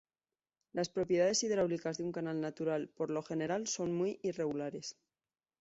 Las propiedades hidráulicas de un canal natural por lo general son muy irregulares.